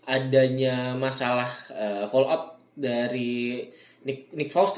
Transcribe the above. adanya masalah call out dari nick faust